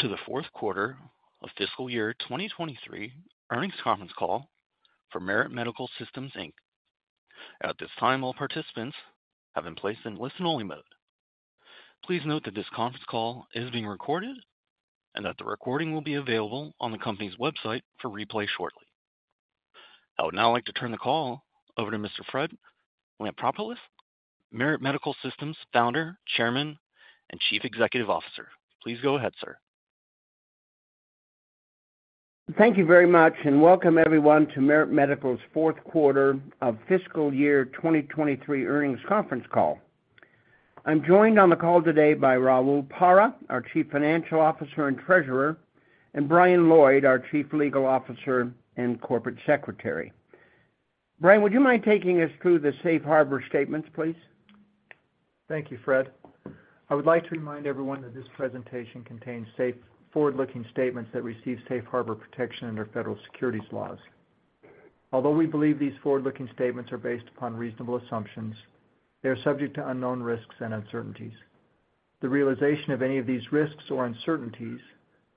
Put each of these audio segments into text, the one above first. To the fourth quarter of fiscal year 2023 earnings conference call for Merit Medical Systems Inc. At this time, all participants have been placed in listen-only mode. Please note that this conference call is being recorded and that the recording will be available on the company's website for replay shortly. I would now like to turn the call over to Mr. Fred Lampropoulos, Merit Medical Systems Founder, Chairman, and Chief Executive Officer. Please go ahead, sir. Thank you very much, and welcome everyone to Merit Medical's fourth quarter of fiscal year 2023 earnings conference call. I'm joined on the call today by Raul Parra, our Chief Financial Officer and Treasurer, and Brian Lloyd, our Chief Legal Officer and Corporate Secretary. Brian, would you mind taking us through the Safe Harbor statements, please? Thank you, Fred. I would like to remind everyone that this presentation contains safe, forward-looking statements that receive Safe Harbor protection under federal securities laws. Although we believe these forward-looking statements are based upon reasonable assumptions, they are subject to unknown risks and uncertainties. The realization of any of these risks or uncertainties,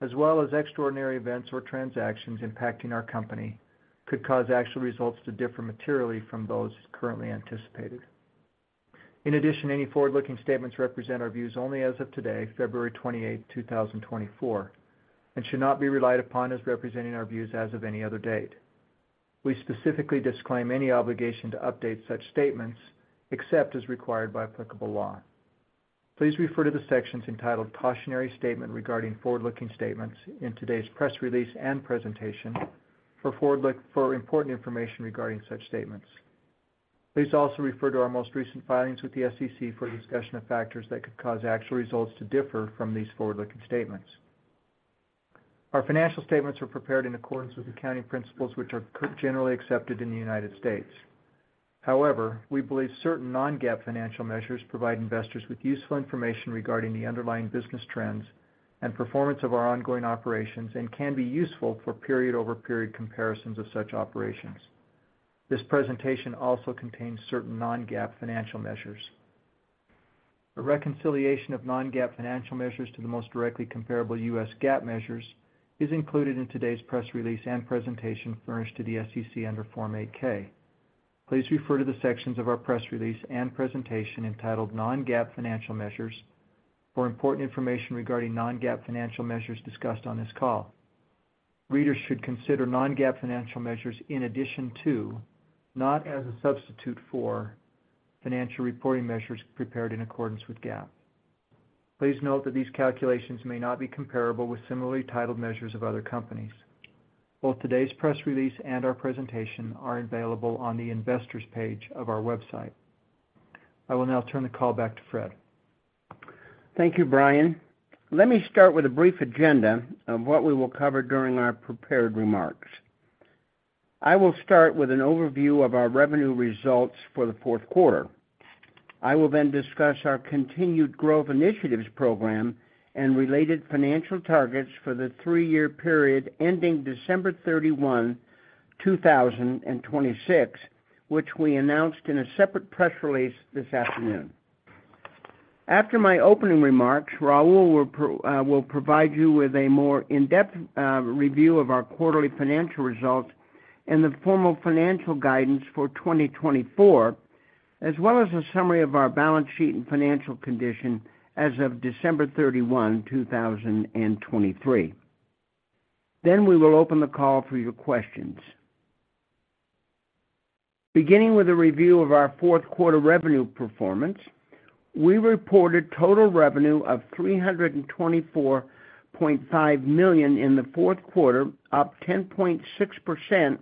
as well as extraordinary events or transactions impacting our company, could cause actual results to differ materially from those currently anticipated. In addition, any forward-looking statements represent our views only as of today, February 28, 2024, and should not be relied upon as representing our views as of any other date. We specifically disclaim any obligation to update such statements except as required by applicable law. Please refer to the sections entitled "Cautionary Statement Regarding Forward-Looking Statements" in today's press release and presentation for forward-looking for important information regarding such statements. Please also refer to our most recent filings with the SEC for discussion of factors that could cause actual results to differ from these forward-looking statements. Our financial statements are prepared in accordance with accounting principles which are generally accepted in the United States. However, we believe certain non-GAAP financial measures provide investors with useful information regarding the underlying business trends and performance of our ongoing operations and can be useful for period-over-period comparisons of such operations. This presentation also contains certain non-GAAP financial measures. A reconciliation of non-GAAP financial measures to the most directly comparable U.S. GAAP measures is included in today's press release and presentation furnished to the SEC under Form 8-K. Please refer to the sections of our press release and presentation entitled "Non-GAAP Financial Measures" for important information regarding non-GAAP financial measures discussed on this call. Readers should consider Non-GAAP financial measures in addition to, not as a substitute for financial reporting measures prepared in accordance with GAAP. Please note that these calculations may not be comparable with similarly titled measures of other companies. Both today's press release and our presentation are available on the investors page of our website. I will now turn the call back to Fred. Thank you, Brian. Let me start with a brief agenda of what we will cover during our prepared remarks. I will start with an overview of our revenue results for the fourth quarter. I will then discuss our Continued Growth Initiatives Program and related financial targets for the three-year period ending December 31, 2026, which we announced in a separate press release this afternoon. After my opening remarks, Raul will provide you with a more in-depth review of our quarterly financial results and the formal financial guidance for 2024, as well as a summary of our balance sheet and financial condition as of December 31, 2023. Then we will open the call for your questions. Beginning with a review of our fourth quarter revenue performance, we reported total revenue of $324.5 million in the fourth quarter, up 10.6%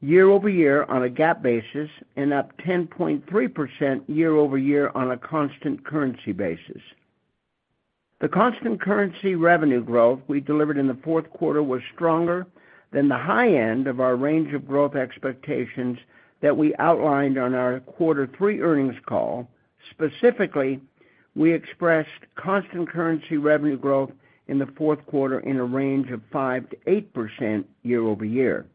year-over-year on a GAAP basis and up 10.3% year-over-year on a constant currency basis. The constant currency revenue growth we delivered in the fourth quarter was stronger than the high end of our range of growth expectations that we outlined on our quarter three earnings call. Specifically, we expressed constant currency revenue growth in the fourth quarter in a range of 5%-8% year-over-year.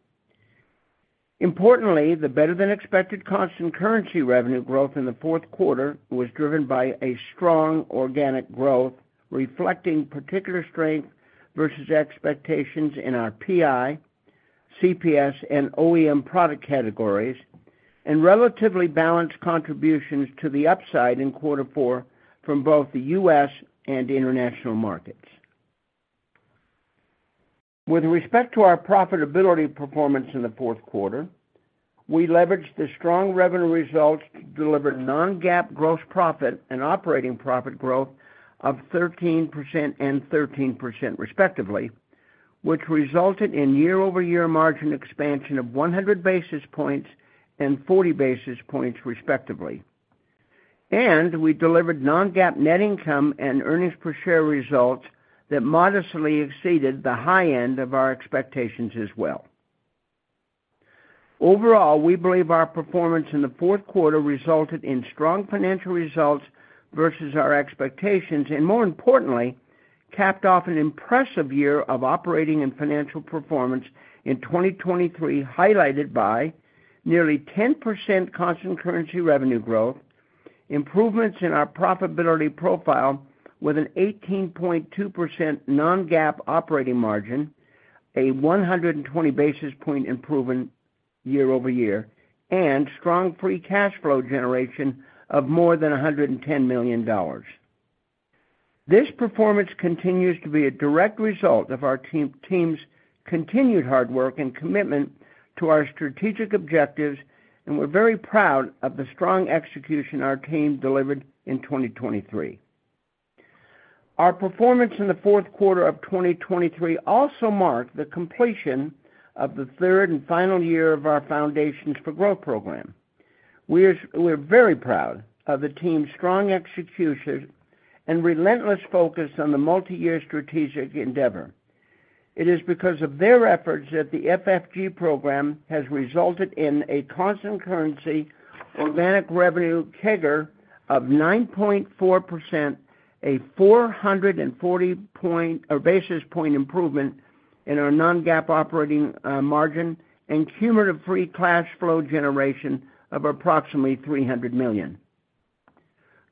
Importantly, the better-than-expected constant currency revenue growth in the fourth quarter was driven by a strong organic growth reflecting particular strength versus expectations in our PI, CPS, and OEM product categories, and relatively balanced contributions to the upside in quarter four from both the U.S. and international markets. With respect to our profitability performance in the fourth quarter, we leveraged the strong revenue results to deliver non-GAAP gross profit and operating profit growth of 13% and 13%, respectively, which resulted in year-over-year margin expansion of 100 basis points and 40 basis points, respectively. We delivered non-GAAP net income and earnings per share results that modestly exceeded the high end of our expectations as well. Overall, we believe our performance in the fourth quarter resulted in strong financial results versus our expectations and, more importantly, capped off an impressive year of operating and financial performance in 2023 highlighted by nearly 10% constant currency revenue growth, improvements in our profitability profile with an 18.2% non-GAAP operating margin, a 120 basis point improvement year over year, and strong free cash flow generation of more than $110 million. This performance continues to be a direct result of our team's continued hard work and commitment to our strategic objectives, and we're very proud of the strong execution our team delivered in 2023. Our performance in the fourth quarter of 2023 also marked the completion of the third and final year of our Foundations for Growth Program. We're very proud of the team's strong execution and relentless focus on the multi-year strategic endeavor. It is because of their efforts that the FFG Program has resulted in a constant currency organic revenue CAGR of 9.4%, a 440 basis point improvement in our non-GAAP operating margin, and cumulative free cash flow generation of approximately $300 million.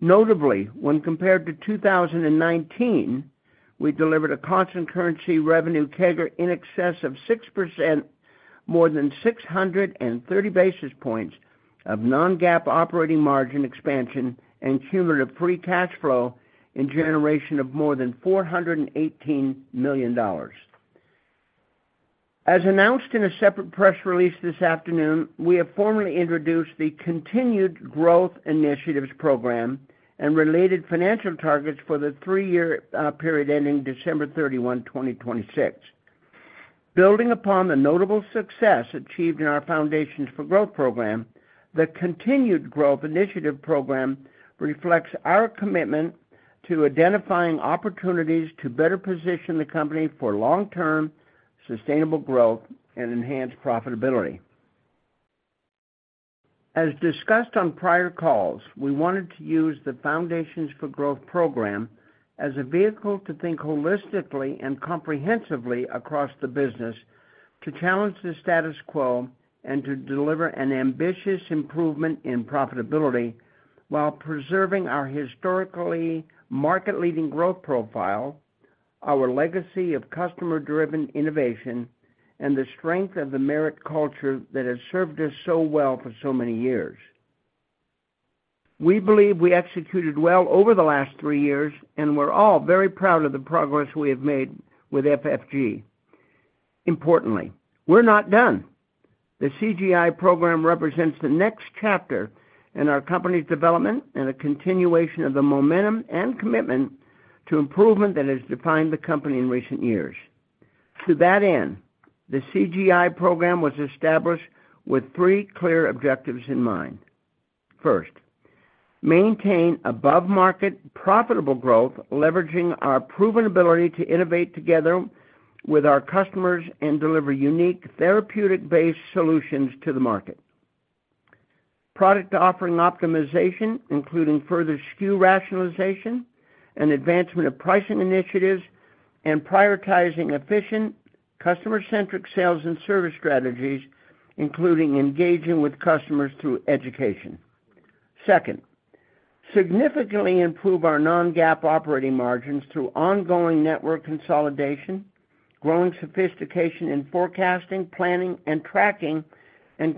Notably, when compared to 2019, we delivered a constant currency revenue CAGR in excess of 6%, more than 630 basis points of non-GAAP operating margin expansion and cumulative free cash flow in generation of more than $418 million. As announced in a separate press release this afternoon, we have formally introduced the Continued Growth Initiatives Program and related financial targets for the three-year period ending December 31, 2026. Building upon the notable success achieved in our Foundations for Growth Program, the Continued Growth Initiatives Program reflects our commitment to identifying opportunities to better position the company for long-term sustainable growth and enhanced profitability. As discussed on prior calls, we wanted to use the Foundations for Growth Program as a vehicle to think holistically and comprehensively across the business to challenge the status quo and to deliver an ambitious improvement in profitability while preserving our historically market-leading growth profile, our legacy of customer-driven innovation, and the strength of the Merit culture that has served us so well for so many years. We believe we executed well over the last three years, and we're all very proud of the progress we have made with FFG. Importantly, we're not done. The CGI Program represents the next chapter in our company's development and a continuation of the momentum and commitment to improvement that has defined the company in recent years. To that end, the CGI Program was established with three clear objectives in mind. First, maintain above-market profitable growth leveraging our proven ability to innovate together with our customers and deliver unique therapeutic-based solutions to the market. Product offering optimization, including further SKU rationalization, an advancement of pricing initiatives, and prioritizing efficient, customer-centric sales and service strategies, including engaging with customers through education. Second, significantly improve our Non-GAAP operating margins through ongoing network consolidation, growing sophistication in forecasting, planning, and tracking, and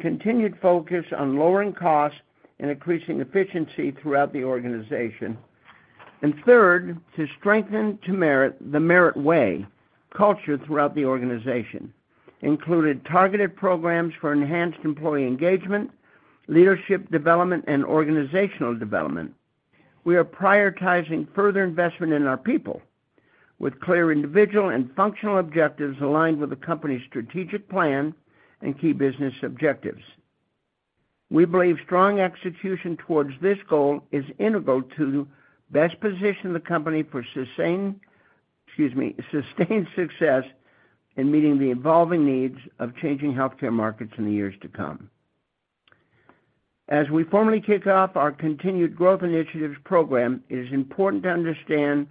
continued focus on lowering costs and increasing efficiency throughout the organization. Third, to strengthen the Merit Way culture throughout the organization, included targeted programs for enhanced employee engagement, leadership development, and organizational development. We are prioritizing further investment in our people with clear individual and functional objectives aligned with the company's strategic plan and key business objectives. We believe strong execution towards this goal is integral to best position the company for sustained success in meeting the evolving needs of changing healthcare markets in the years to come. As we formally kick off our Continued Growth Initiatives Program, it is important to understand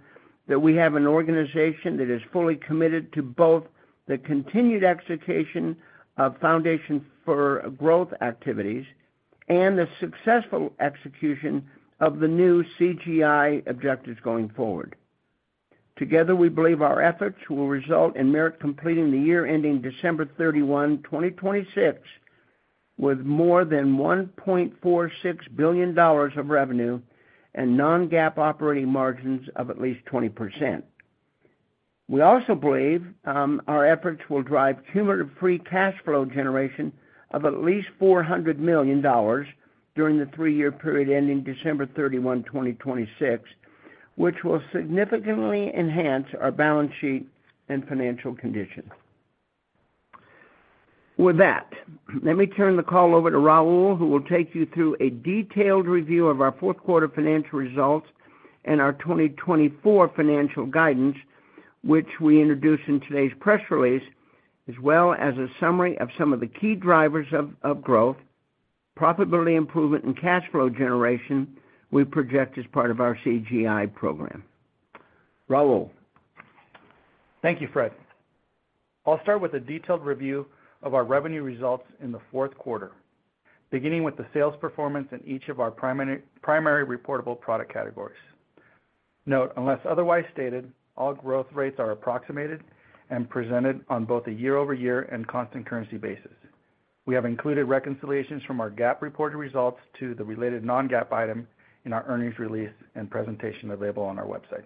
that we have an organization that is fully committed to both the continued execution of Foundations for Growth activities and the successful execution of the new CGI objectives going forward. Together, we believe our efforts will result in Merit completing the year ending December 31, 2026, with more than $1.46 billion of revenue and non-GAAP operating margins of at least 20%. We also believe our efforts will drive cumulative free cash flow generation of at least $400 million during the three-year period ending December 31, 2026, which will significantly enhance our balance sheet and financial condition. With that, let me turn the call over to Raul, who will take you through a detailed review of our fourth quarter financial results and our 2024 financial guidance, which we introduce in today's press release, as well as a summary of some of the key drivers of growth, profitability improvement, and cash flow generation we project as part of our CGI Program. Raul? Thank you, Fred. I'll start with a detailed review of our revenue results in the fourth quarter, beginning with the sales performance in each of our primary reportable product categories. Note, unless otherwise stated, all growth rates are approximated and presented on both a year-over-year and constant currency basis. We have included reconciliations from our GAAP reported results to the related non-GAAP item in our earnings release and presentation available on our website.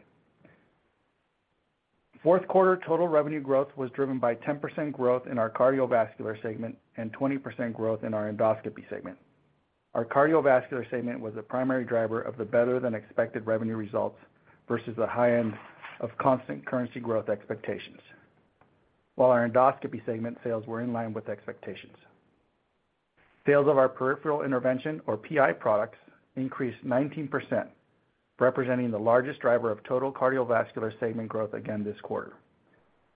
Fourth quarter total revenue growth was driven by 10% growth in our cardiovascular segment and 20% growth in our endoscopy segment. Our cardiovascular segment was the primary driver of the better-than-expected revenue results versus the high end of constant currency growth expectations, while our endoscopy segment sales were in line with expectations. Sales of our peripheral intervention, or PI, products increased 19%, representing the largest driver of total cardiovascular segment growth again this quarter.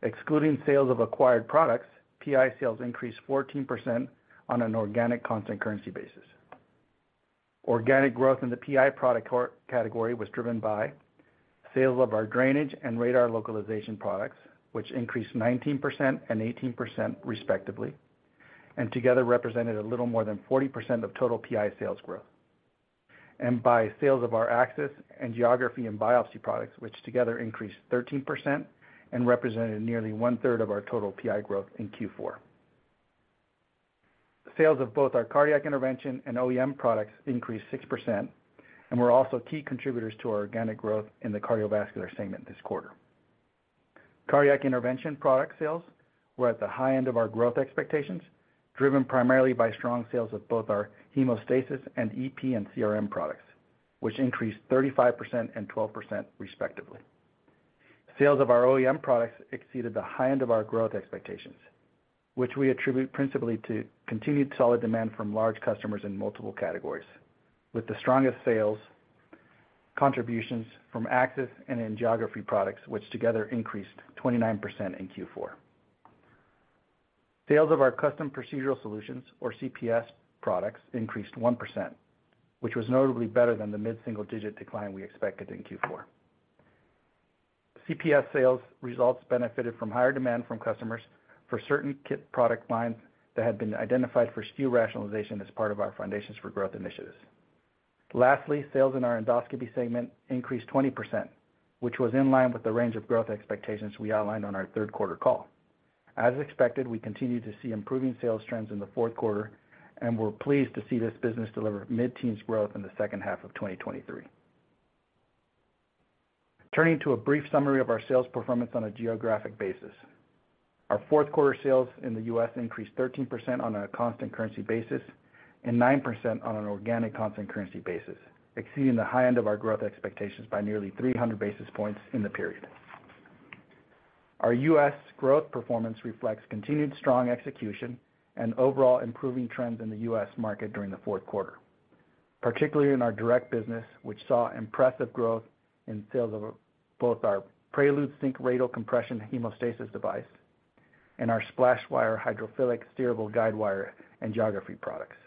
Excluding sales of acquired products, PI sales increased 14% on an organic constant currency basis. Organic growth in the PI product category was driven by sales of our drainage and radar localization products, which increased 19% and 18%, respectively, and together represented a little more than 40% of total PI sales growth. By sales of our access, gastro, and biopsy products, which together increased 13% and represented nearly one-third of our total PI growth in Q4. Sales of both our cardiac intervention and OEM products increased 6%, and were also key contributors to our organic growth in the cardiovascular segment this quarter. Cardiac intervention product sales were at the high end of our growth expectations, driven primarily by strong sales of both our hemostasis and EP and CRM products, which increased 35% and 12%, respectively. Sales of our OEM products exceeded the high end of our growth expectations, which we attribute principally to continued solid demand from large customers in multiple categories, with the strongest sales contributions from access and angiography products, which together increased 29% in Q4. Sales of our custom procedural solutions, or CPS, products increased 1%, which was notably better than the mid-single digit decline we expected in Q4. CPS sales results benefited from higher demand from customers for certain kit product lines that had been identified for SKU rationalization as part of our Foundations for Growth initiatives. Lastly, sales in our endoscopy segment increased 20%, which was in line with the range of growth expectations we outlined on our third quarter call. As expected, we continue to see improving sales trends in the fourth quarter, and we're pleased to see this business deliver mid-teens growth in the second half of 2023. Turning to a brief summary of our sales performance on a geographic basis, our fourth quarter sales in the U.S. increased 13% on a constant currency basis and 9% on an organic constant currency basis, exceeding the high end of our growth expectations by nearly 300 basis points in the period. Our U.S. growth performance reflects continued strong execution and overall improving trends in the U.S. market during the fourth quarter, particularly in our direct business, which saw impressive growth in sales of both our Radial Compression Hemostasis Device and our SplashWire Hydrophilic Steerable Guidewire and angiography products.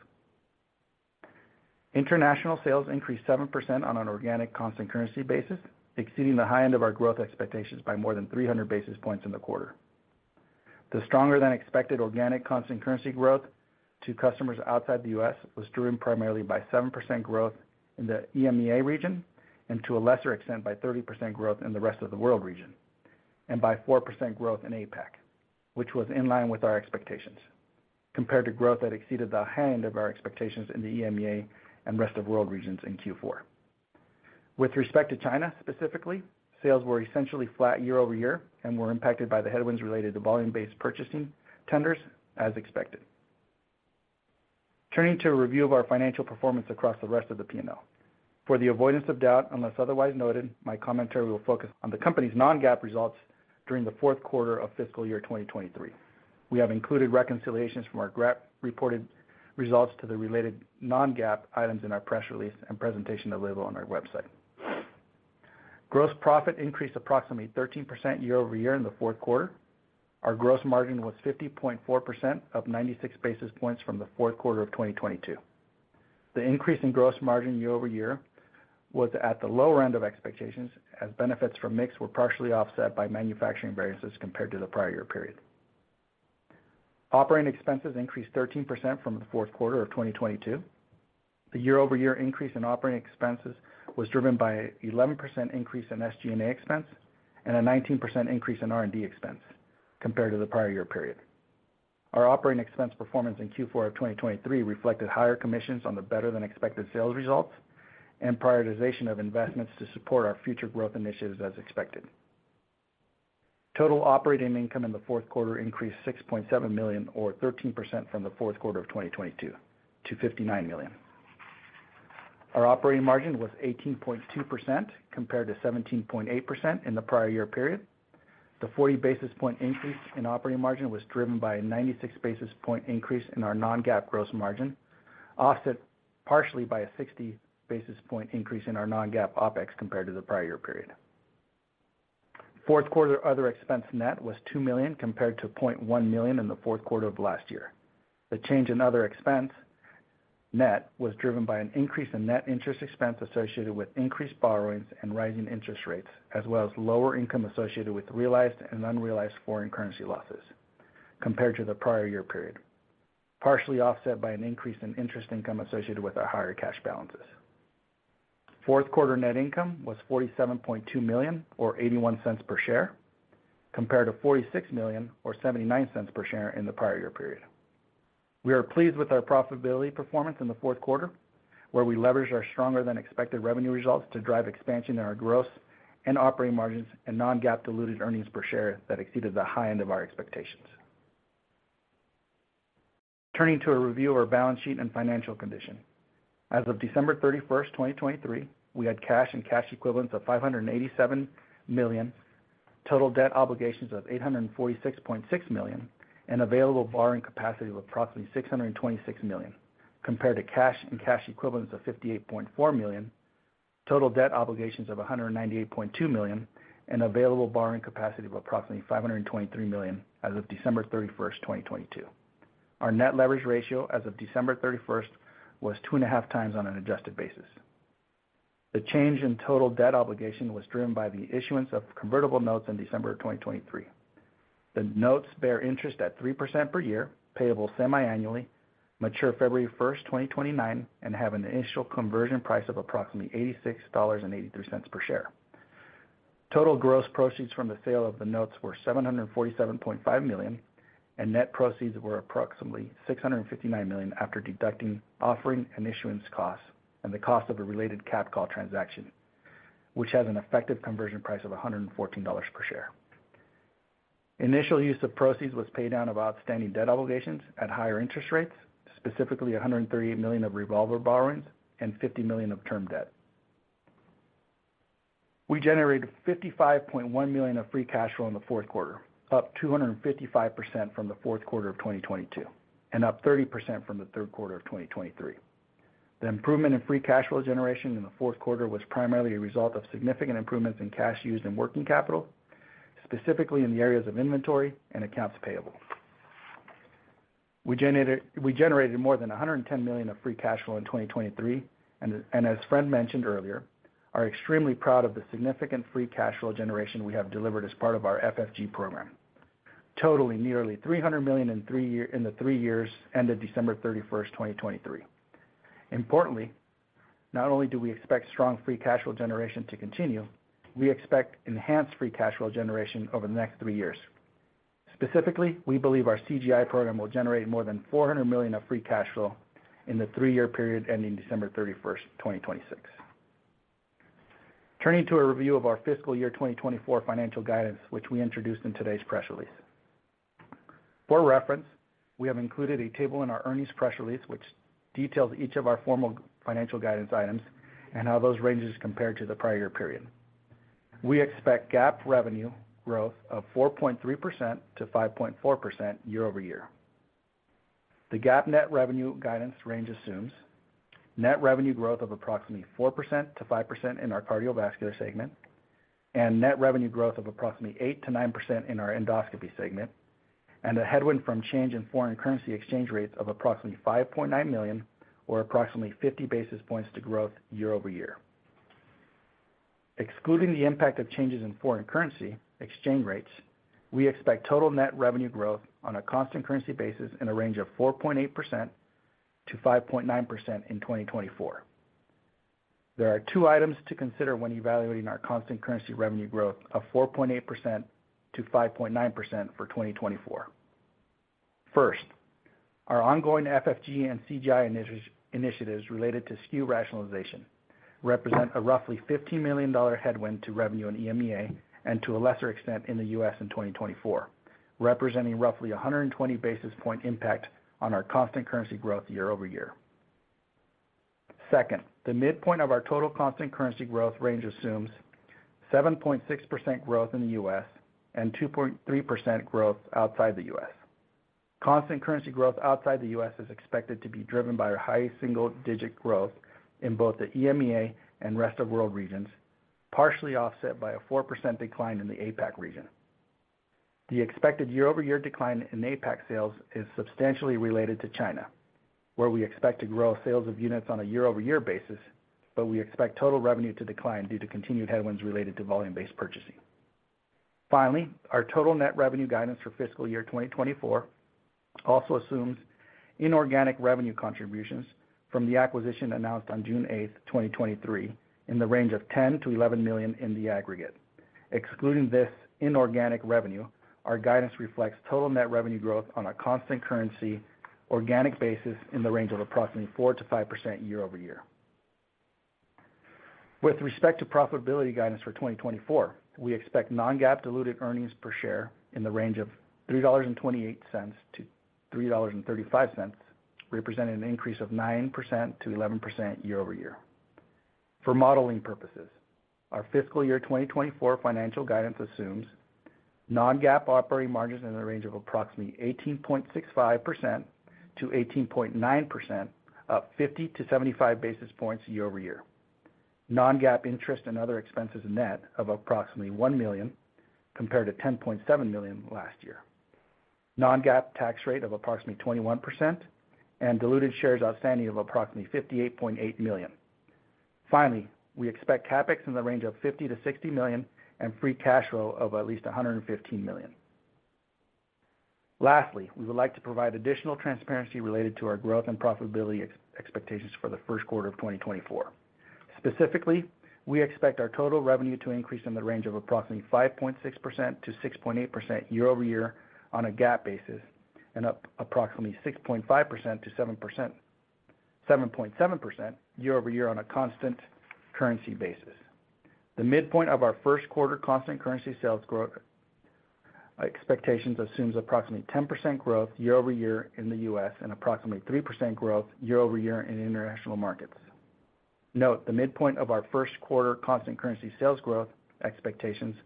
International sales increased 7% on an organic constant currency basis, exceeding the high end of our growth expectations by more than 300 basis points in the quarter. The stronger-than-expected organic constant currency growth to customers outside the U.S. was driven primarily by 7% growth in the EMEA region and to a lesser extent by 30% growth in the rest of the world region and by 4% growth in APAC, which was in line with our expectations, compared to growth that exceeded the high end of our expectations in the EMEA and rest of world regions in Q4. With respect to China specifically, sales were essentially flat year over year and were impacted by the headwinds related to volume-based purchasing tenders, as expected. Turning to a review of our financial performance across the rest of the P&L. For the avoidance of doubt unless otherwise noted, my commentary will focus on the company's non-GAAP results during the fourth quarter of fiscal year 2023. We have included reconciliations from our GAAP reported results to the related non-GAAP items in our press release and presentation available on our website. Gross profit increased approximately 13% year-over-year in the fourth quarter. Our gross margin was 50.4%, up 96 basis points from the fourth quarter of 2022. The increase in gross margin year-over-year was at the lower end of expectations, as benefits from MIPS were partially offset by manufacturing variances compared to the prior year period. Operating expenses increased 13% from the fourth quarter of 2022. The year-over-year increase in operating expenses was driven by an 11% increase in SG&A expense and a 19% increase in R&D expense, compared to the prior year period. Our operating expense performance in Q4 of 2023 reflected higher commissions on the better-than-expected sales results and prioritization of investments to support our future growth initiatives, as expected. Total operating income in the fourth quarter increased $6.7 million, or 13%, from the fourth quarter of 2022 to $59 million. Our operating margin was 18.2%, compared to 17.8% in the prior year period. The 40 basis point increase in operating margin was driven by a 96 basis point increase in our non-GAAP gross margin, offset partially by a 60 basis point increase in our non-GAAP OpEx, compared to the prior year period. Fourth quarter other expense net was $2 million, compared to $0.1 million in the fourth quarter of last year. The change in other expense net was driven by an increase in net interest expense associated with increased borrowings and rising interest rates, as well as lower income associated with realized and unrealized foreign currency losses, compared to the prior year period, partially offset by an increase in interest income associated with our higher cash balances. Fourth quarter net income was $47.2 million, or $0.81 per share, compared to $46 million, or $0.79 per share, in the prior year period. We are pleased with our profitability performance in the fourth quarter, where we leveraged our stronger-than-expected revenue results to drive expansion in our gross and operating margins and non-GAAP diluted earnings per share that exceeded the high end of our expectations. Turning to a review of our balance sheet and financial condition. As of December 31st, 2023, we had cash and cash equivalents of $587 million, total debt obligations of $846.6 million, and available borrowing capacity of approximately $626 million, compared to cash and cash equivalents of $58.4 million, total debt obligations of $198.2 million, and available borrowing capacity of approximately $523 million, as of December 31st, 2022. Our net leverage ratio, as of December 31st, was two and a half times on an adjusted basis. The change in total debt obligation was driven by the issuance of convertible notes in December of 2023. The notes bear interest at 3% per year, payable semi-annually, mature February 1st, 2029, and have an initial conversion price of approximately $86.83 per share. Total gross proceeds from the sale of the notes were $747.5 million, and net proceeds were approximately $659 million after deducting offering and issuance costs and the cost of a related cap call transaction, which has an effective conversion price of $114 per share. Initial use of proceeds was paid down of outstanding debt obligations at higher interest rates, specifically $138 million of revolver borrowings and $50 million of term debt. We generated $55.1 million of free cash flow in the fourth quarter, up 255% from the fourth quarter of 2022 and up 30% from the third quarter of 2023. The improvement in free cash flow generation in the fourth quarter was primarily a result of significant improvements in cash used in working capital, specifically in the areas of inventory and accounts payable. We generated more than $110 million of free cash flow in 2023. As Fred mentioned earlier, we are extremely proud of the significant free cash flow generation we have delivered as part of our FFG Program, totaling nearly $300 million in the three years ended December 31st, 2023. Importantly, not only do we expect strong free cash flow generation to continue, we expect enhanced free cash flow generation over the next three years. Specifically, we believe our CGI Program will generate more than $400 million of free cash flow in the three-year period ending December 31st, 2026. Turning to a review of our fiscal year 2024 financial guidance, which we introduced in today's press release. For reference, we have included a table in our earnings press release, which details each of our formal financial guidance items and how those ranges compared to the prior year period. We expect GAAP revenue growth of 4.3%-5.4% year-over-year. The GAAP net revenue guidance range assumes net revenue growth of approximately 4%-5% in our cardiovascular segment and net revenue growth of approximately 8%-9% in our endoscopy segment and a headwind from change in foreign currency exchange rates of approximately $5.9 million, or approximately 50 basis points, to growth year-over-year. Excluding the impact of changes in foreign currency exchange rates, we expect total net revenue growth on a constant currency basis in a range of 4.8%-5.9% in 2024. There are two items to consider when evaluating our constant currency revenue growth of 4.8%-5.9% for 2024. First, our ongoing FFG and CGI initiatives related to SKU rationalization represent a roughly $15 million headwind to revenue in EMEA and to a lesser extent in the U.S. in 2024, representing roughly 120 basis point impact on our constant currency growth year-over-year. Second, the midpoint of our total constant currency growth range assumes 7.6% growth in the U.S. and 2.3% growth outside the U.S. Constant currency growth outside the U.S. is expected to be driven by our high single digit growth in both the EMEA and rest of world regions, partially offset by a 4% decline in the APAC region. The expected year-over-year decline in APAC sales is substantially related to China, where we expect to grow sales of units on a year-over-year basis, but we expect total revenue to decline due to continued headwinds related to volume-based purchasing. Finally, our total net revenue guidance for fiscal year 2024 also assumes inorganic revenue contributions from the acquisition announced on June 8th, 2023, in the range of $10 million-$11 million in the aggregate. Excluding this inorganic revenue, our guidance reflects total net revenue growth on a constant currency organic basis in the range of approximately 4%-5% year-over-year. With respect to profitability guidance for 2024, we expect non-GAAP diluted earnings per share in the range of $3.28-$3.35, representing an increase of 9%-11% year-over-year. For modeling purposes, our fiscal year 2024 financial guidance assumes non-GAAP operating margins in the range of approximately 18.65%-18.9%, up 50 basis points-75 basis points year-over-year, non-GAAP interest and other expenses net of approximately $1 million, compared to $10.7 million last year, non-GAAP tax rate of approximately 21%, and diluted shares outstanding of approximately 58.8 million. Finally, we expect CapEx in the range of $50 million-$60 million and free cash flow of at least $115 million. Lastly, we would like to provide additional transparency related to our growth and profitability expectations for the first quarter of 2024. Specifically, we expect our total revenue to increase in the range of approximately 5.6%-6.8% year-over-year on a GAAP basis and up approximately 6.5%-7.7% year-over-year on a constant currency basis. The midpoint of our first quarter constant currency sales growth expectations assumes approximately 10% growth year-over-year in the U.S. and approximately 3% growth year-over-year in international markets. Note, the midpoint of our first quarter constant currency sales growth expectations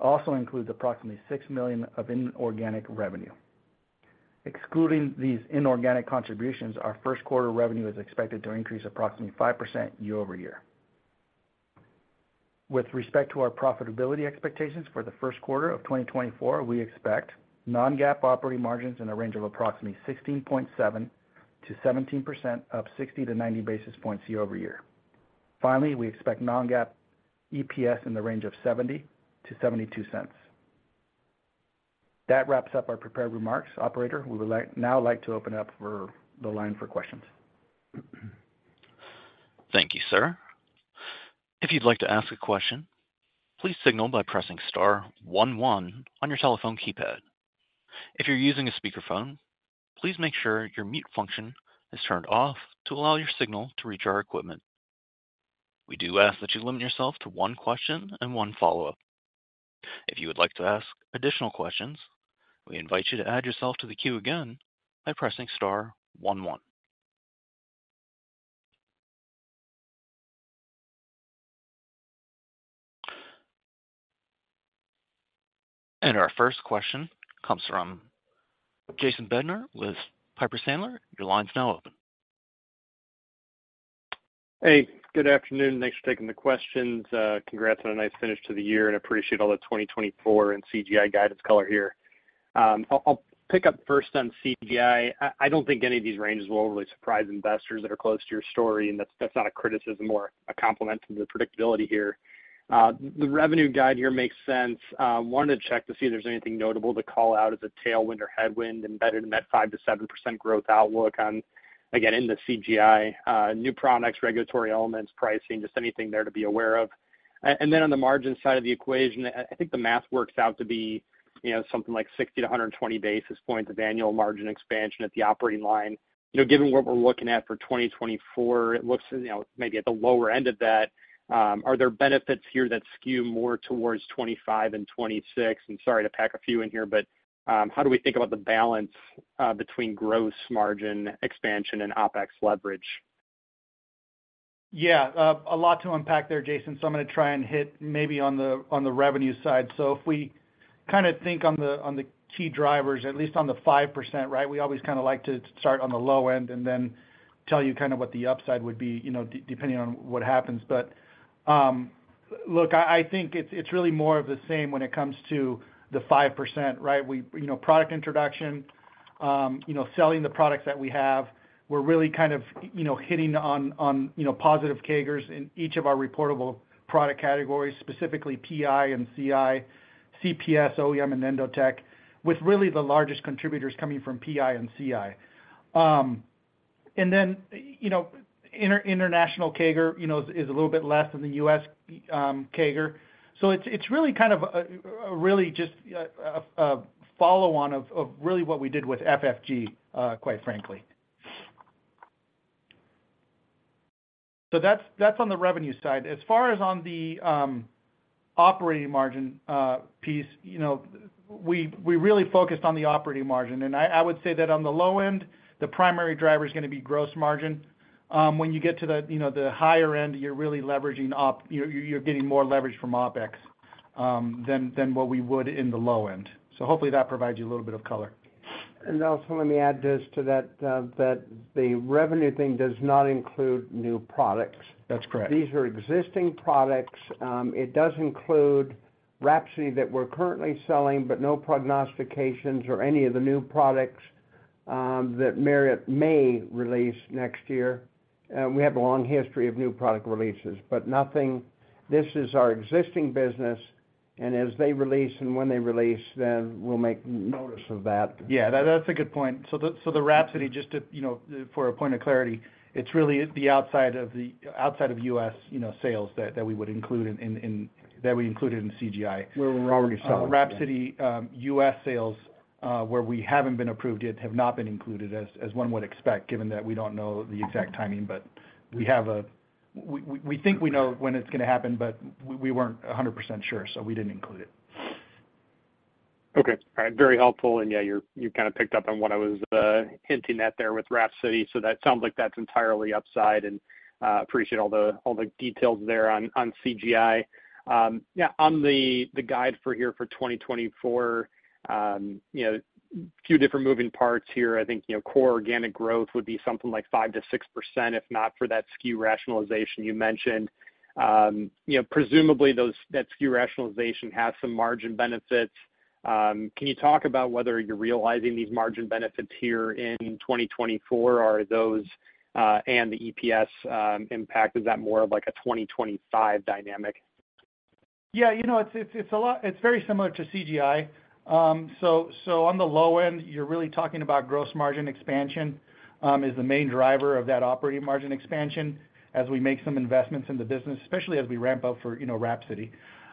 also includes approximately $6 million of inorganic revenue. Excluding these inorganic contributions, our first quarter revenue is expected to increase approximately 5% year-over-year. With respect to our profitability expectations for the first quarter of 2024, we expect non-GAAP operating margins in the range of approximately 16.7%-17%, up 60 basis points-90 basis points year-over-year. Finally, we expect non-GAAP EPS in the range of $0.70-$0.72. That wraps up our prepared remarks. Operator, we would now like to open up the line for questions. Thank you, sir. If you'd like to ask a question, please signal by pressing star one one on your telephone keypad. If you're using a speakerphone, please make sure your mute function is turned off to allow your signal to reach our equipment. We do ask that you limit yourself to one question and one follow-up. If you would like to ask additional questions, we invite you to add yourself to the queue again by pressing star one one. And our first question comes from Jason Bednar with Piper Sandler. Your line's now open. Hey, good afternoon. Thanks for taking the questions. Congrats on a nice finish to the year, and I appreciate all the 2024 and CGI guidance color here. I'll pick up first on CGI. I don't think any of these ranges will overly surprise investors that are close to your story, and that's not a criticism or a compliment to the predictability here. The revenue guide here makes sense. I wanted to check to see if there's anything notable to call out as a tailwind or headwind embedded in that 5%-7% growth outlook on, again, in the CGI, new products, regulatory elements, pricing, just anything there to be aware of. And then on the margin side of the equation, I think the math works out to be something like 60 basis points-120 basis points of annual margin expansion at the operating line. Given what we're looking at for 2024, it looks maybe at the lower end of that. Are there benefits here that skew more towards 2025 and 2026? And sorry to pack a few in here, but how do we think about the balance between gross margin expansion and OpEx leverage? Yeah, a lot to unpack there, Jason. So I'm going to try and hit maybe on the revenue side. So if we kind of think on the key drivers, at least on the 5%, right, we always kind of like to start on the low end and then tell you kind of what the upside would be depending on what happens. But look, I think it's really more of the same when it comes to the 5%, right? Product introduction, selling the products that we have. We're really kind of hitting on positive CAGRs in each of our reportable product categories, specifically PI and CI, CPS, OEM, and Endotek, with really the largest contributors coming from PI and CI. And then international CAGR is a little bit less than the U.S. CAGR. So it's really kind of a really just a follow-on of really what we did with FFG, quite frankly. So that's on the revenue side. As far as on the operating margin piece, we really focused on the operating margin. And I would say that on the low end, the primary driver is going to be gross margin. When you get to the higher end, you're really leveraging you're getting more leverage from OpEx than what we would in the low end. So hopefully, that provides you a little bit of color. Also, let me add this to that. The revenue thing does not include new products. These are existing products. It does include WRAPSODY that we're currently selling, but no prognostications or any of the new products that Merit may release next year. We have a long history of new product releases, but nothing, this is our existing business. And as they release and when they release, then we'll make notice of that. Yeah, that's a good point. So the WRAPSODY, just for a point of clarity, it's really the outside of U.S. sales that we would include in that we included in CGI. Where we're already selling. WRAPSODY U.S. sales, where we haven't been approved yet, have not been included as one would expect, given that we don't know the exact timing. But we think we know when it's going to happen, but we weren't 100% sure, so we didn't include it. Okay. All right. Very helpful. And yeah, you kind of picked up on what I was hinting at there with WRAPSODY. So that sounds like that's entirely upside. And I appreciate all the details there on CGI. Yeah, on the guide here for 2024, a few different moving parts here. I think core organic growth would be something like 5%-6%, if not for that SKU rationalization you mentioned. Presumably, that SKU rationalization has some margin benefits. Can you talk about whether you're realizing these margin benefits here in 2024, and the EPS impact? Is that more of a 2025 dynamic? Yeah, it's very similar to CGI. So on the low end, you're really talking about gross margin expansion is the main driver of that operating margin expansion as we make some investments in the business, especially as we ramp up for WRAPSODY.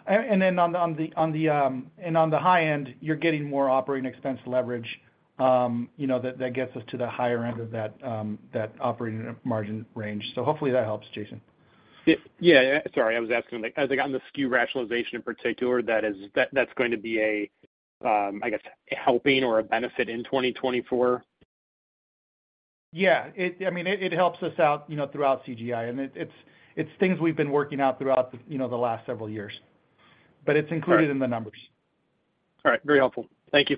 And then on the high end, you're getting more operating expense leverage that gets us to the higher end of that operating margin range. So hopefully, that helps, Jason. Yeah. Sorry. I was asking as I got into SKU rationalization in particular, that's going to be a, I guess, helping or a benefit in 2024? Yeah. I mean, it helps us out throughout CGI. It's things we've been working out throughout the last several years, but it's included in the numbers. All right. Very helpful. Thank you.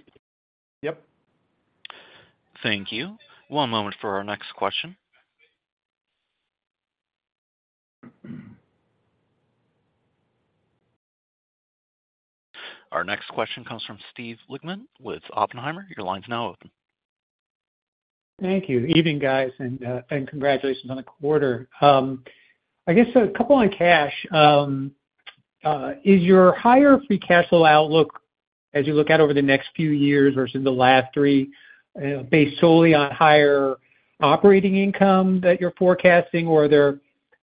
Yep. Thank you. One moment for our next question. Our next question comes from Steve Lichtman with Oppenheimer. Your line's now open. Thank you. Evening, guys, and congratulations on the quarter. I guess a couple on cash. Is your higher free cash flow outlook, as you look out over the next few years versus the last three, based solely on higher operating income that you're forecasting, or are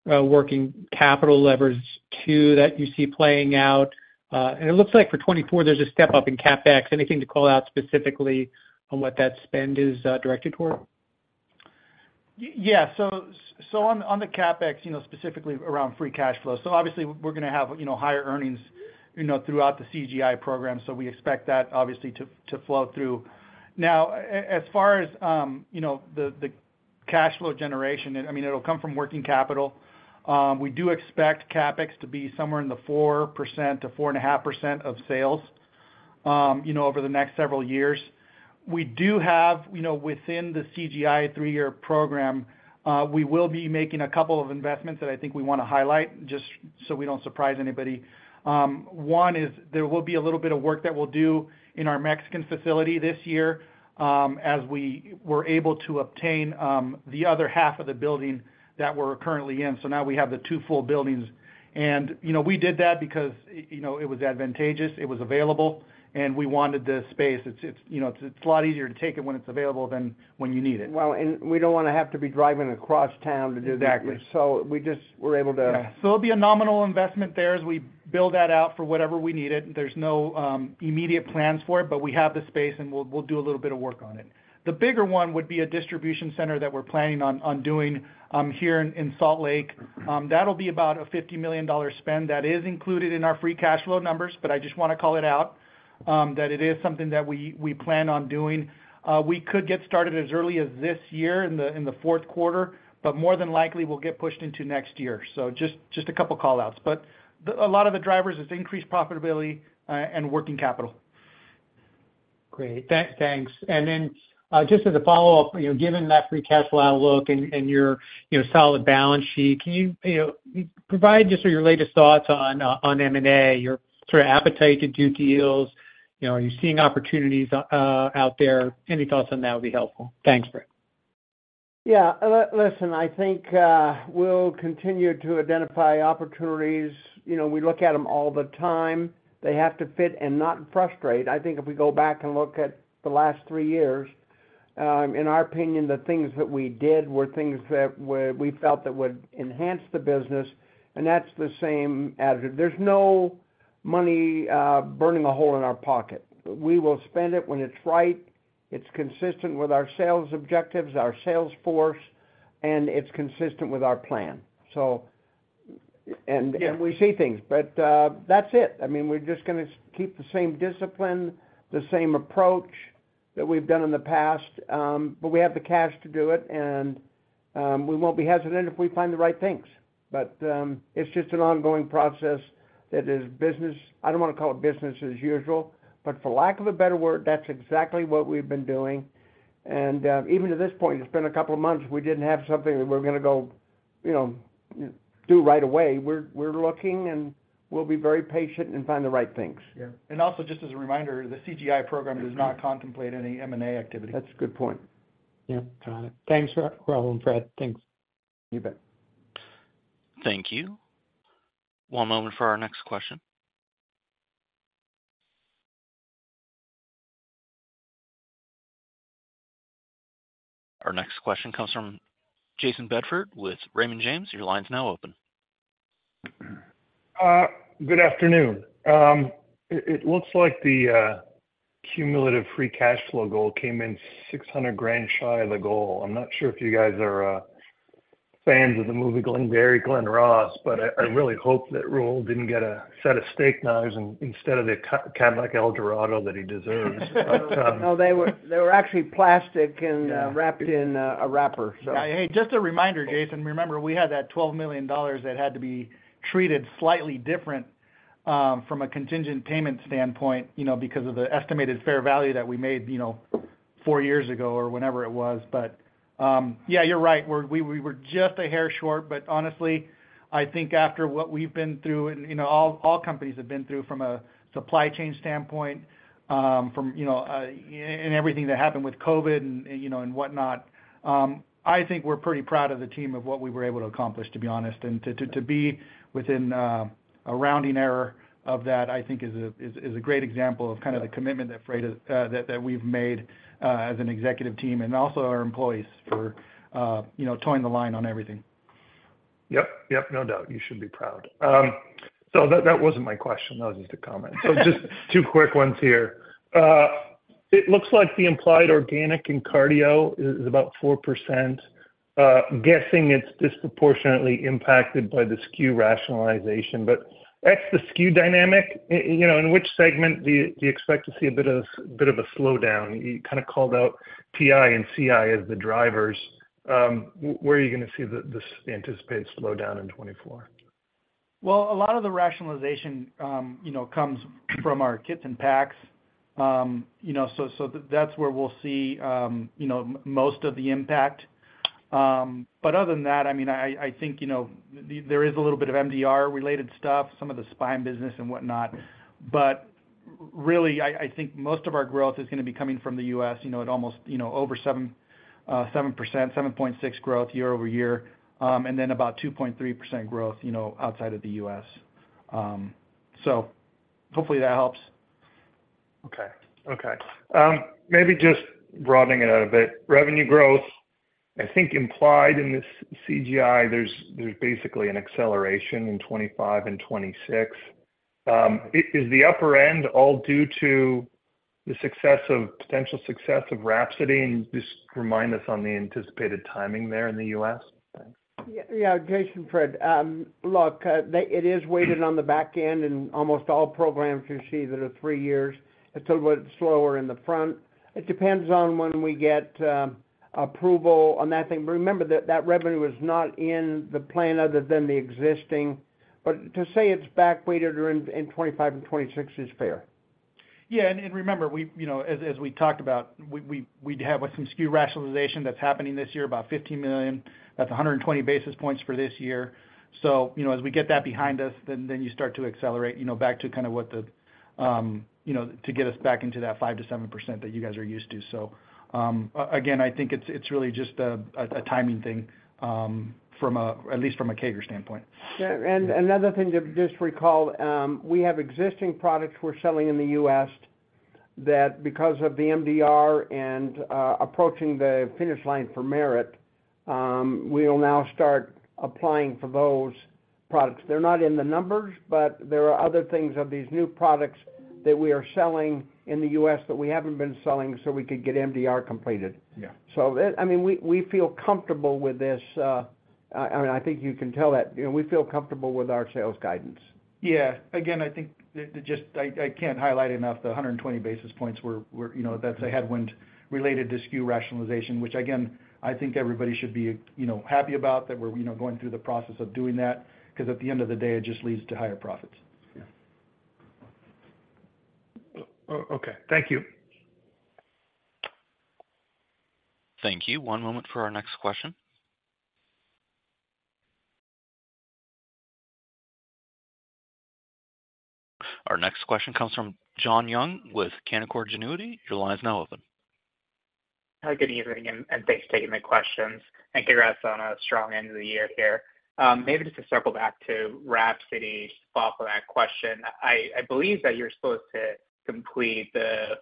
there working capital levers too that you see playing out? And it looks like for 2024, there's a step up in CapEx. Anything to call out specifically on what that spend is directed toward? Yeah. So on the CapEx, specifically around free cash flow. So obviously, we're going to have higher earnings throughout the CGI Program, so we expect that, obviously, to flow through. Now, as far as the cash flow generation, I mean, it'll come from working capital. We do expect CapEx to be somewhere in the 4%-4.5% of sales over the next several years. Within the CGI three-year program, we will be making a couple of investments that I think we want to highlight just so we don't surprise anybody. One is there will be a little bit of work that we'll do in our Mexican facility this year as we were able to obtain the other half of the building that we're currently in. So now we have the two full buildings. And we did that because it was advantageous. It was available, and we wanted the space. It's a lot easier to take it when it's available than when you need it. Well, and we don't want to have to be driving across town to do that. So we're able to. Yeah. So it'll be a nominal investment there as we build that out for whatever we need it. There's no immediate plans for it, but we have the space, and we'll do a little bit of work on it. The bigger one would be a distribution center that we're planning on doing here in Salt Lake. That'll be about a $50 million spend that is included in our free cash flow numbers, but I just want to call it out that it is something that we plan on doing. We could get started as early as this year in the fourth quarter, but more than likely, we'll get pushed into next year. So just a couple of callouts. But a lot of the drivers is increased profitability and working capital. Great. Thanks. And then just as a follow-up, given that free cash flow outlook and your solid balance sheet, can you provide just your latest thoughts on M&A, your sort of appetite to do deals? Are you seeing opportunities out there? Any thoughts on that would be helpful. Thanks, Fred. Yeah. Listen, I think we'll continue to identify opportunities. We look at them all the time. They have to fit and not frustrate. I think if we go back and look at the last three years, in our opinion, the things that we did were things that we felt that would enhance the business. That's the same attitude. There's no money burning a hole in our pocket. We will spend it when it's right. It's consistent with our sales objectives, our sales force, and it's consistent with our plan. We see things. But that's it. I mean, we're just going to keep the same discipline, the same approach that we've done in the past. We have the cash to do it, and we won't be hesitant if we find the right things. It's just an ongoing process that is business I don't want to call it business as usual, but for lack of a better word, that's exactly what we've been doing. Even to this point, it's been a couple of months. We didn't have something that we were going to go do right away. We're looking, and we'll be very patient and find the right things. Yeah. And also, just as a reminder, the CGI Program does not contemplate any M&A activity. That's a good point. Yeah. Got it. Thanks, Raul and Fred. Thanks. You bet. Thank you. One moment for our next question. Our next question comes from Jason Bedford with Raymond James. Your line's now open. Good afternoon. It looks like the cumulative free cash flow goal came in $600,000 shy of the goal. I'm not sure if you guys are fans of the movie Glengarry Glen Ross, but I really hope that Raul didn't get a set of steak knives instead of the Cadillac Eldorado that he deserves. No, they were actually plastic and wrapped in a wrapper, so. Yeah. Hey, just a reminder, Jason. Remember, we had that $12 million that had to be treated slightly different from a contingent payment standpoint because of the estimated fair value that we made four years ago or whenever it was. But yeah, you're right. We were just a hair short. But honestly, I think after what we've been through and all companies have been through from a supply chain standpoint, from everything that happened with COVID and whatnot, I think we're pretty proud of the team of what we were able to accomplish, to be honest. And to be within a rounding error of that, I think, is a great example of kind of the commitment that we've made as an executive team and also our employees for toeing the line on everything. Yep. Yep. No doubt. You should be proud. So that wasn't my question. That was just a comment. So just two quick ones here. It looks like the implied organic and cardio is about 4%. Guessing it's disproportionately impacted by the SKU rationalization. But that's the SKU dynamic. In which segment do you expect to see a bit of a slowdown? You kind of called out PI and CI as the drivers. Where are you going to see this anticipated slowdown in 2024? Well, a lot of the rationalization comes from our kits and packs. So that's where we'll see most of the impact. But other than that, I mean, I think there is a little bit of MDR-related stuff, some of the spine business and whatnot. But really, I think most of our growth is going to be coming from the U.S. at almost over 7%, 7.6% growth year-over-year, and then about 2.3% growth outside of the U.S. So hopefully, that helps. Okay. Okay. Maybe just broadening it out a bit. Revenue growth, I think implied in this CGI, there's basically an acceleration in 2025 and 2026. Is the upper end all due to the potential success of WRAPSODY? And just remind us on the anticipated timing there in the U.S. Yeah. Jason, Fred. Look, it is weighted on the back end. In almost all programs, you see that are three years. It's a little bit slower in the front. It depends on when we get approval on that thing. But remember, that revenue is not in the plan other than the existing. But to say it's back-weighted in 2025 and 2026 is fair. Yeah. And remember, as we talked about, we have some SKU rationalization that's happening this year, about $15 million. That's 120 basis points for this year. So as we get that behind us, then you start to accelerate back to kind of what the to get us back into that 5%-7% that you guys are used to. So again, I think it's really just a timing thing, at least from a CAGR standpoint. Yeah. And another thing to just recall, we have existing products we're selling in the U.S. that, because of the MDR and approaching the finish line for Merit, we will now start applying for those products. They're not in the numbers, but there are other things of these new products that we are selling in the U.S. that we haven't been selling so we could get MDR completed. So I mean, we feel comfortable with this. I mean, I think you can tell that. We feel comfortable with our sales guidance. Yeah. Again, I think just I can't highlight enough the 120 basis points where that's a headwind related to SKU rationalization, which, again, I think everybody should be happy about, that we're going through the process of doing that because at the end of the day, it just leads to higher profits. Yeah. Okay. Thank you. Thank you. One moment for our next question. Our next question comes from Jon Young with Canaccord Genuity. Your line's now open. Hi. Good evening. And thanks for taking my questions. And congrats on a strong end of the year here. Maybe just to circle back to WRAPSODY, just to follow up on that question, I believe that you're supposed to complete the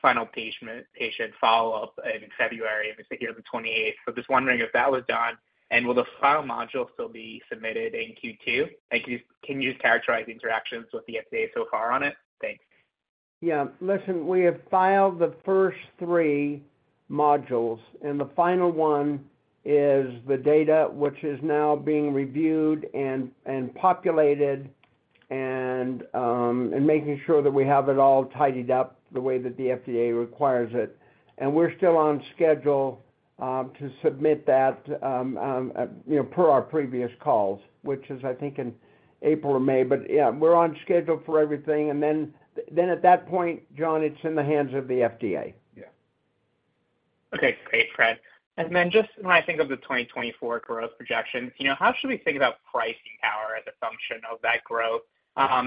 final patient follow-up in February. I'm going to say here on the 28th. So just wondering if that was done. And will the final module still be submitted in Q2? And can you just characterize the interactions with the FDA so far on it? Thanks. Yeah. Listen, we have filed the first three modules. And the final one is the data, which is now being reviewed and populated and making sure that we have it all tidied up the way that the FDA requires it. And we're still on schedule to submit that per our previous calls, which is, I think, in April or May. But yeah, we're on schedule for everything. And then at that point, Jon, it's in the hands of the FDA. Yeah. Okay. Great, Fred. And then just when I think of the 2024 growth projections, how should we think about pricing power as a function of that growth?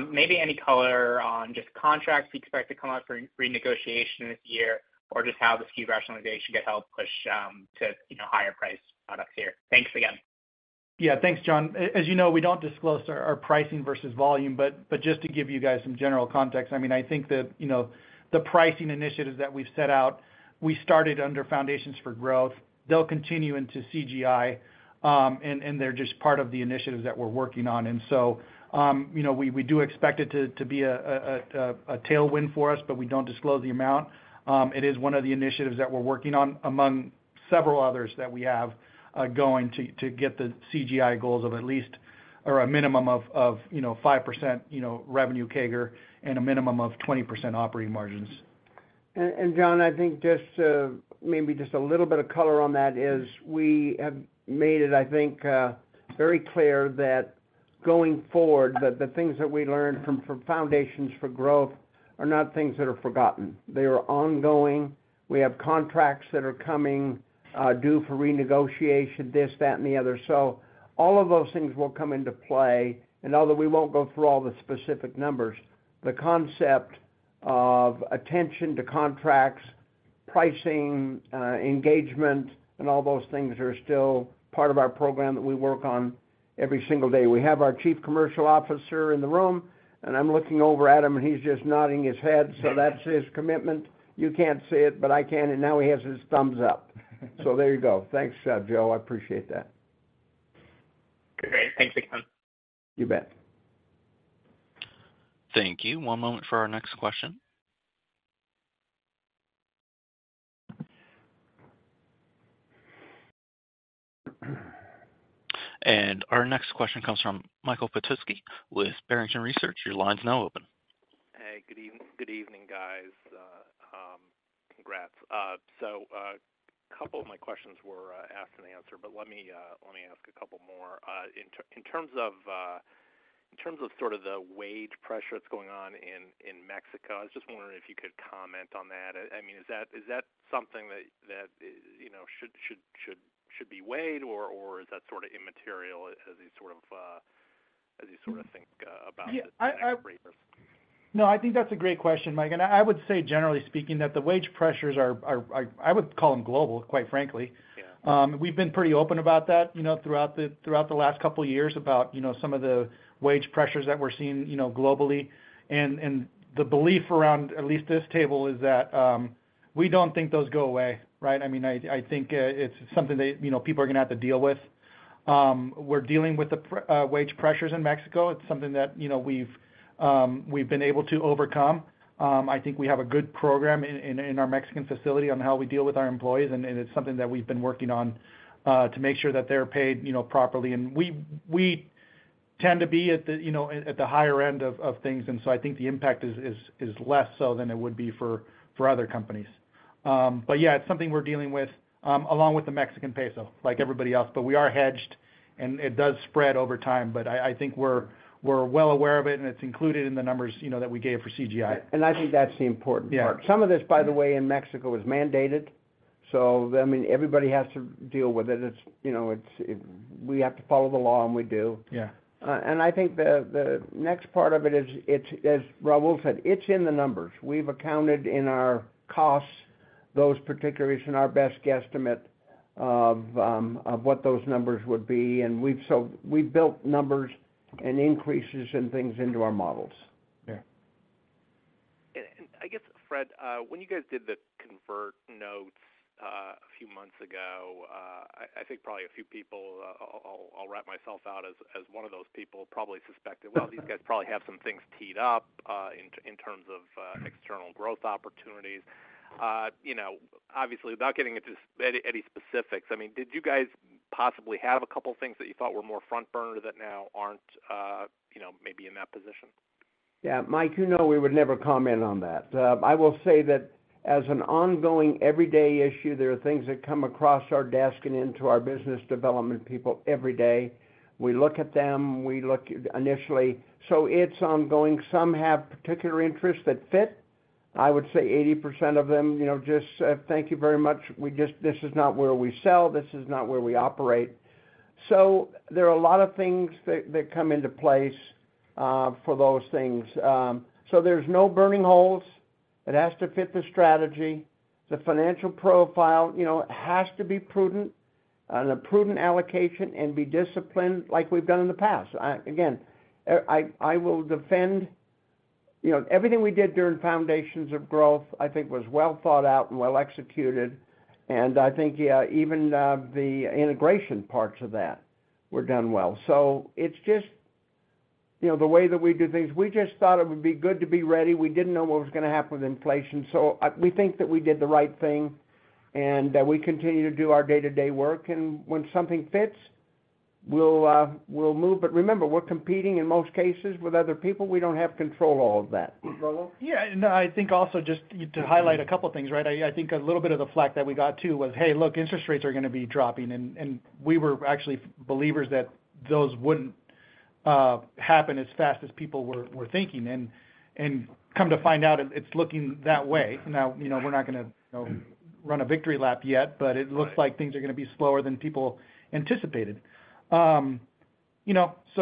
Maybe any color on just contracts we expect to come out for renegotiation this year or just how the SKU rationalization could help push to higher price products here. Thanks again. Yeah. Thanks, Jon. As you know, we don't disclose our pricing versus volume. But just to give you guys some general context, I mean, I think that the pricing initiatives that we've set out, we started under Foundations for Growth. They'll continue into CGI, and they're just part of the initiatives that we're working on. And so we do expect it to be a tailwind for us, but we don't disclose the amount. It is one of the initiatives that we're working on among several others that we have going to get the CGI goals of at least or a minimum of 5% revenue CAGR and a minimum of 20% operating margins. And Jon, I think maybe just a little bit of color on that is we have made it, I think, very clear that going forward, the things that we learned from Foundations for Growth are not things that are forgotten. They are ongoing. We have contracts that are coming due for renegotiation, this, that, and the other. So all of those things will come into play. And although we won't go through all the specific numbers, the concept of attention to contracts, pricing, engagement, and all those things are still part of our program that we work on every single day. We have our Chief Commercial Officer in the room, and I'm looking over at him, and he's just nodding his head. So that's his commitment. You can't see it, but I can. And now he has his thumbs up. So there you go. Thanks, Jon. I appreciate that. Great. Thanks again. You bet. Thank you. One moment for our next question. And our next question comes from Michael Petusky with Barrington Research. Your line's now open. Hey. Good evening, guys. Congrats. So a couple of my questions were asked and answered, but let me ask a couple more. In terms of sort of the wage pressure that's going on in Mexico, I was just wondering if you could comment on that. I mean, is that something that should be weighed, or is that sort of immaterial as you sort of think about the taxpayers? Yeah. No, I think that's a great question, Mike. I would say, generally speaking, that the wage pressures are—I would call them global, quite frankly. We've been pretty open about that throughout the last couple of years about some of the wage pressures that we're seeing globally. The belief around at least this table is that we don't think those go away, right? I mean, I think it's something that people are going to have to deal with. We're dealing with the wage pressures in Mexico. It's something that we've been able to overcome. I think we have a good program in our Mexican facility on how we deal with our employees. It's something that we've been working on to make sure that they're paid properly. We tend to be at the higher end of things. And so I think the impact is less so than it would be for other companies. But yeah, it's something we're dealing with along with the Mexican peso, like everybody else. But we are hedged, and it does spread over time. But I think we're well aware of it, and it's included in the numbers that we gave for CGI. I think that's the important part. Some of this, by the way, in Mexico is mandated. So I mean, everybody has to deal with it. We have to follow the law, and we do. And I think the next part of it is, as Raul said, it's in the numbers. We've accounted in our costs those particulars and our best guesstimate of what those numbers would be. And we've built numbers and increases and things into our models. Yeah. I guess, Fred, when you guys did the convertible notes a few months ago, I think probably a few people - I'll wrap myself out as one of those people - probably suspected, "Well, these guys probably have some things teed up in terms of external growth opportunities." Obviously, without getting into any specifics, I mean, did you guys possibly have a couple of things that you thought were more front burner that now aren't maybe in that position? Yeah. Mike, you know we would never comment on that. I will say that as an ongoing everyday issue, there are things that come across our desk and into our business development people every day. We look at them. We look initially. So it's ongoing. Some have particular interests that fit. I would say 80% of them just, "Thank you very much. This is not where we sell. This is not where we operate." So there are a lot of things that come into place for those things. So there's no burning holes. It has to fit the strategy. The financial profile has to be prudent and a prudent allocation and be disciplined like we've done in the past. Again, I will defend everything we did during Foundations of Growth, I think, was well thought out and well executed. I think, yeah, even the integration parts of that were done well. So it's just the way that we do things. We just thought it would be good to be ready. We didn't know what was going to happen with inflation. So we think that we did the right thing, and we continue to do our day-to-day work. And when something fits, we'll move. But remember, we're competing in most cases with other people. We don't have control of all of that. Raul? Yeah. And I think also just to highlight a couple of things, right? I think a little bit of the flak that we got too was, "Hey, look, interest rates are going to be dropping." And we were actually believers that those wouldn't happen as fast as people were thinking. And come to find out, it's looking that way. Now, we're not going to run a victory lap yet, but it looks like things are going to be slower than people anticipated. So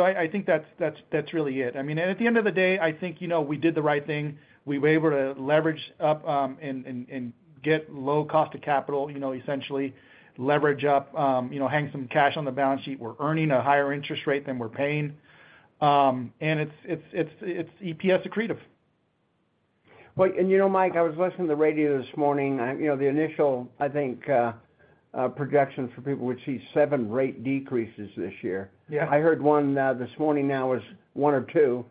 I think that's really it. I mean, at the end of the day, I think we did the right thing. We were able to leverage up and get low cost of capital, essentially, leverage up, hang some cash on the balance sheet. We're earning a higher interest rate than we're paying. And it's EPS accretive. Well, and Mike, I was listening to the radio this morning. The initial, I think, projection for people would see seven rate decreases this year. I heard one this morning now was one or two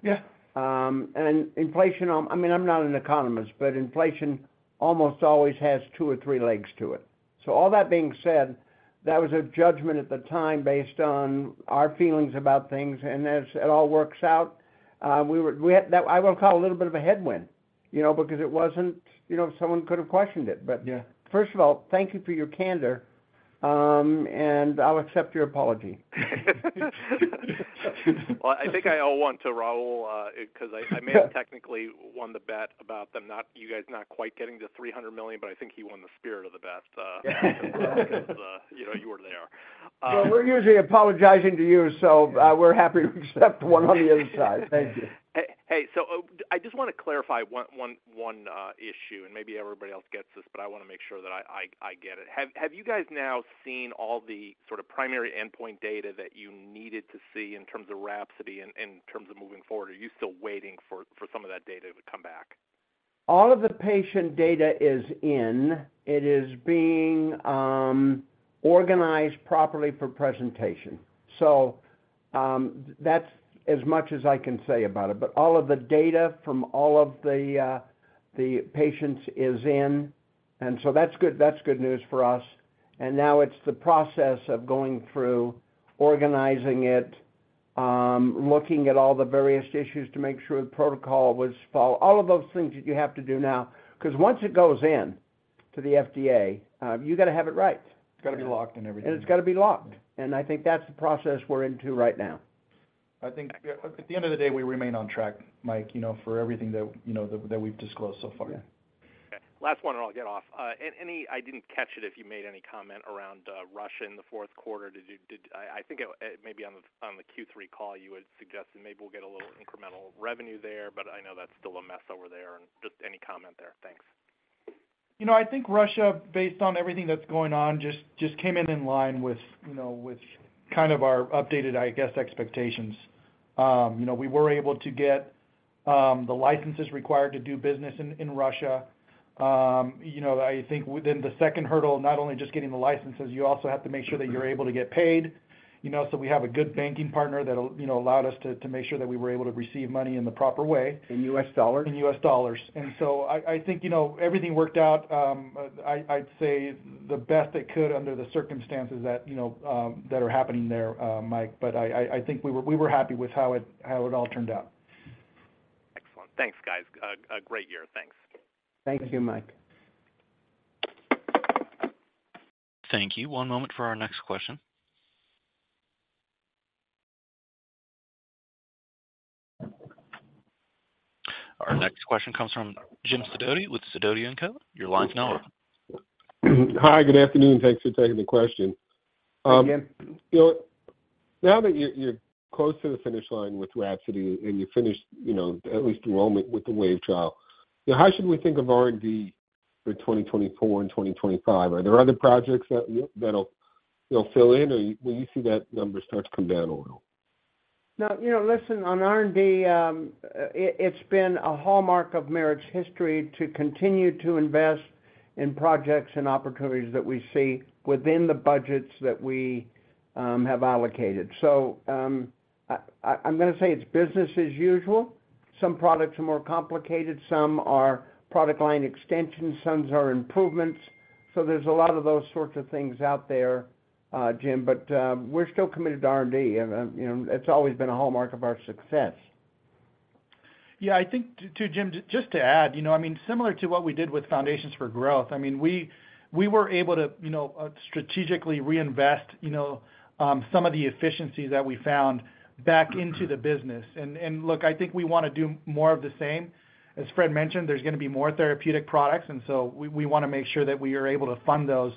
And inflation, I mean, I'm not an economist, but inflation almost always has two or three legs to it. So all that being said, that was a judgment at the time based on our feelings about things. And as it all works out, I will call it a little bit of a headwind because it wasn't someone could have questioned it. But first of all, thank you for your candor, and I'll accept your apology. Well, I think I'll want to, Raul, because I may have technically won the bet about you guys not quite getting to $300 million, but I think he won the spirit of the bet because you were there. Well, we're usually apologizing to you, so we're happy to accept one on the other side. Thank you. Hey. So I just want to clarify one issue. And maybe everybody else gets this, but I want to make sure that I get it. Have you guys now seen all the sort of primary endpoint data that you needed to see in terms of WRAPSODY in terms of moving forward? Are you still waiting for some of that data to come back? All of the patient data is in. It is being organized properly for presentation. So that's as much as I can say about it. But all of the data from all of the patients is in. And so that's good news for us. And now it's the process of going through, organizing it, looking at all the various issues to make sure the protocol was followed, all of those things that you have to do now. Because once it goes into the FDA, you got to have it right. It's got to be locked and everything. It's got to be locked. I think that's the process we're into right now. I think at the end of the day, we remain on track, Mike, for everything that we've disclosed so far. Yeah. Last one, and I'll get off. I didn't catch it if you made any comment around Russia in the fourth quarter. I think maybe on the Q3 call, you had suggested maybe we'll get a little incremental revenue there, but I know that's still a mess over there. And just any comment there. Thanks. I think Russia, based on everything that's going on, just came in line with kind of our updated, I guess, expectations. We were able to get the licenses required to do business in Russia. I think then the second hurdle, not only just getting the licenses, you also have to make sure that you're able to get paid. So we have a good banking partner that allowed us to make sure that we were able to receive money in the proper way. In U.S. dollars? In U.S. dollars. So I think everything worked out. I'd say the best it could under the circumstances that are happening there, Mike. But I think we were happy with how it all turned out. Excellent. Thanks, guys. A great year. Thanks. Thank you, Mike. Thank you. One moment for our next question. Our next question comes from Jim Sidoti with Sidoti & Co. Your line's now open. Hi. Good afternoon. Thanks for taking the question. Now that you're close to the finish line with WRAPSODY and you've finished at least enrollment with the WAVE trial, how should we think of R&D for 2024 and 2025? Are there other projects that'll fill in, or will you see that number start to come down a little? Now, listen, on R&D, it's been a hallmark of Merit's history to continue to invest in projects and opportunities that we see within the budgets that we have allocated. So I'm going to say it's business as usual. Some products are more complicated. Some are product line extensions. Some are improvements. So there's a lot of those sorts of things out there, Jim. But we're still committed to R&D. It's always been a hallmark of our success. Yeah. I think, too, Jim, just to add, I mean, similar to what we did with Foundations for Growth, I mean, we were able to strategically reinvest some of the efficiencies that we found back into the business. And look, I think we want to do more of the same. As Fred mentioned, there's going to be more therapeutic products. And so we want to make sure that we are able to fund those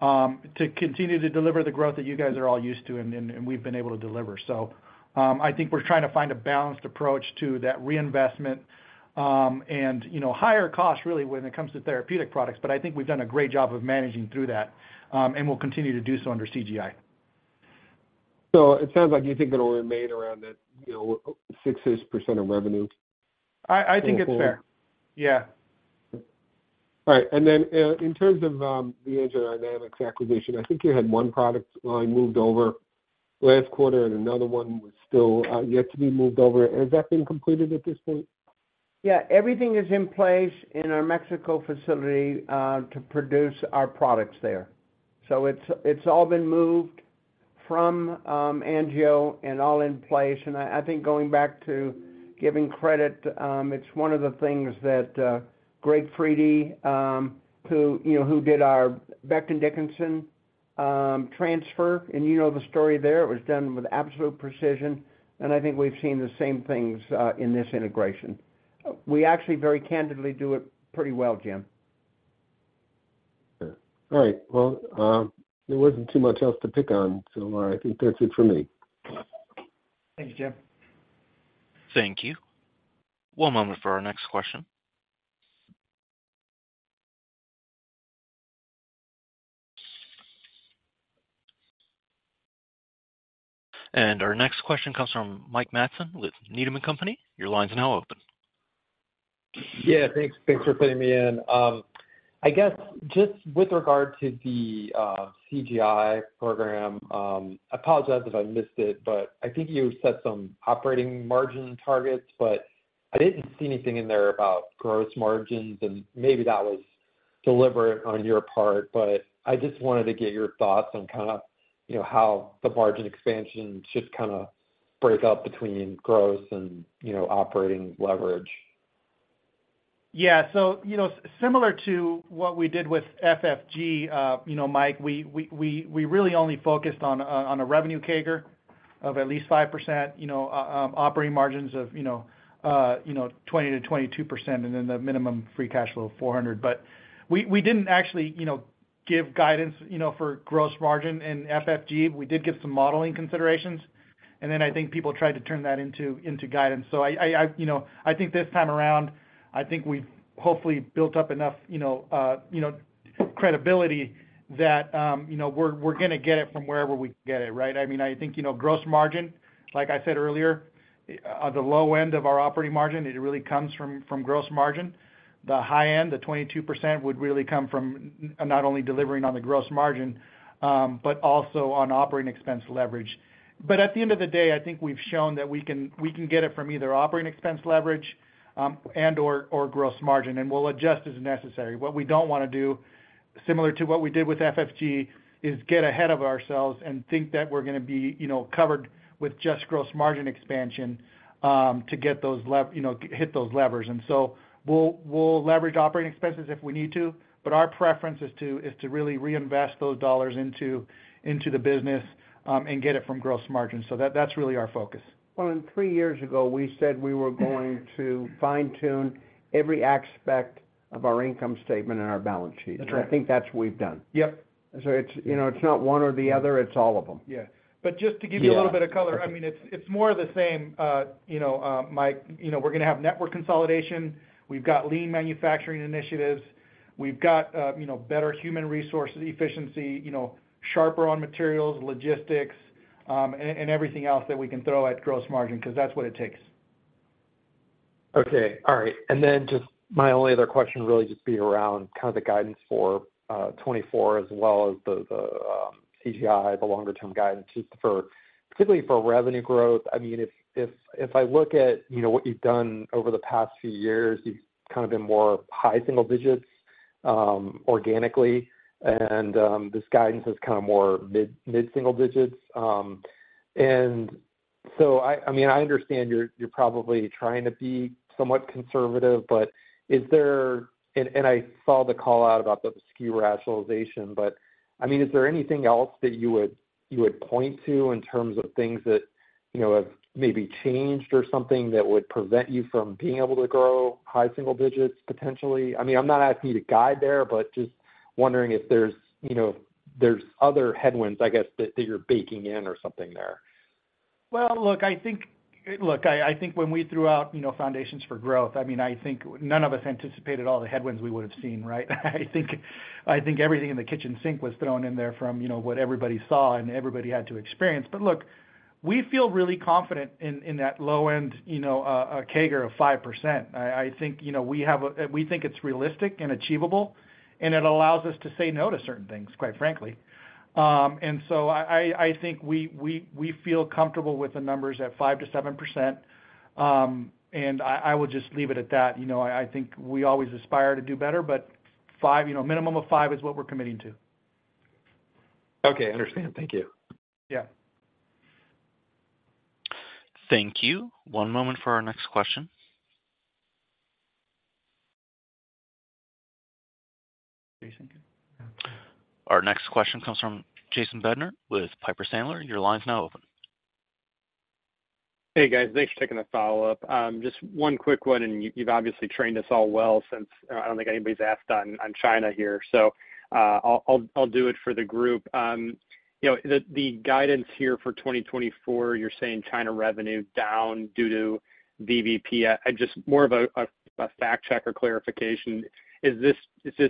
to continue to deliver the growth that you guys are all used to and we've been able to deliver. So I think we're trying to find a balanced approach to that reinvestment and higher cost, really, when it comes to therapeutic products. But I think we've done a great job of managing through that, and we'll continue to do so under CGI. It sounds like you think it'll remain around that 6.6% of revenue or equal? I think it's fair. Yeah. All right. And then in terms of the AngioDynamics acquisition, I think you had one product line moved over last quarter, and another one was still yet to be moved over. Has that been completed at this point? Yeah. Everything is in place in our Mexico facility to produce our products there. So it's all been moved from Angio and all in place. And I think going back to giving credit, it's one of the things that Greg Fredde, who did our Becton Dickinson transfer, and you know the story there. It was done with absolute precision. And I think we've seen the same things in this integration. We actually very candidly do it pretty well, Jim. All right. Well, there wasn't too much else to pick on, so I think that's it for me. Thanks, Jim. Thank you. One moment for our next question. Our next question comes from Mike Matson with Needham & Company. Your line's now open. Yeah. Thanks for putting me in. I guess just with regard to the CGI Program, I apologize if I missed it, but I think you set some operating margin targets. But I didn't see anything in there about gross margins. And maybe that was deliberate on your part. But I just wanted to get your thoughts on kind of how the margin expansion should kind of break up between gross and operating leverage. Yeah. So similar to what we did with FFG, Mike, we really only focused on a revenue CAGR of at least 5%, operating margins of 20%-22%, and then the minimum free cash flow of $400. But we didn't actually give guidance for gross margin in FFG. We did give some modeling considerations. And then I think people tried to turn that into guidance. So I think this time around, I think we've hopefully built up enough credibility that we're going to get it from wherever we get it, right? I mean, I think gross margin, like I said earlier, the low end of our operating margin, it really comes from gross margin. The high end, the 22%, would really come from not only delivering on the gross margin but also on operating expense leverage. At the end of the day, I think we've shown that we can get it from either operating expense leverage and/or gross margin, and we'll adjust as necessary. What we don't want to do, similar to what we did with FFG, is get ahead of ourselves and think that we're going to be covered with just gross margin expansion to get those levers. So we'll leverage operating expenses if we need to. Our preference is to really reinvest those dollars into the business and get it from gross margin. That's really our focus. Well, three years ago, we said we were going to fine-tune every aspect of our income statement and our balance sheet. I think that's what we've done. It's not one or the other. It's all of them. Yeah. But just to give you a little bit of color, I mean, it's more of the same, Mike. We're going to have network consolidation. We've got lean manufacturing initiatives. We've got better human resources efficiency, sharper on materials, logistics, and everything else that we can throw at gross margin because that's what it takes. Okay. All right. And then just my only other question really just be around kind of the guidance for 2024 as well as the CGI, the longer-term guidance, particularly for revenue growth. I mean, if I look at what you've done over the past few years, you've kind of been more high single digits organically. And this guidance is kind of more mid-single digits. And so, I mean, I understand you're probably trying to be somewhat conservative, but is there, and I saw the callout about the SKU rationalization. But I mean, is there anything else that you would point to in terms of things that have maybe changed or something that would prevent you from being able to grow high single digits, potentially? I mean, I'm not asking you to guide there, but just wondering if there's other headwinds, I guess, that you're baking in or something there. Well, look, I think when we threw out Foundations for Growth, I mean, I think none of us anticipated all the headwinds we would have seen, right? I think everything in the kitchen sink was thrown in there from what everybody saw and everybody had to experience. But look, we feel really confident in that low-end CAGR of 5%. I think we think it's realistic and achievable, and it allows us to say no to certain things, quite frankly. And so I think we feel comfortable with the numbers at 5%-7%. And I will just leave it at that. I think we always aspire to do better, but minimum of 5% is what we're committing to. Okay. Understand. Thank you. Yeah. Thank you. One moment for our next question. Our next question comes from Jason Bednar with Piper Sandler. Your line's now open. Hey, guys. Thanks for taking the follow-up. Just one quick one, and you've obviously trained us all well since I don't think anybody's asked on China here. So I'll do it for the group. The guidance here for 2024, you're saying China revenue down due to VBP. Just more of a fact-check or clarification. Is this